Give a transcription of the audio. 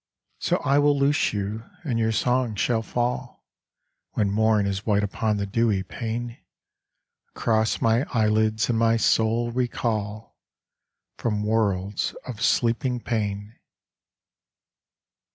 So I will loose you, and your song shall fall When morn is white upon the dewy pane, Across my eyelids, and my soul recall From worlds of sleeping pain.